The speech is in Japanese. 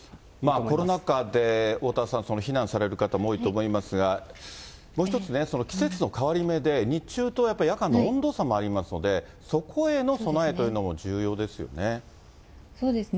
コロナ禍で、おおたわさん、避難される方も多いと思いますが、もう一つ、季節の変わり目で、日中と夜間の温度差もありますので、そこへの備えというのも重要ですよね。